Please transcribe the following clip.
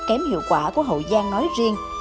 kém hiệu quả của hậu giang nói riêng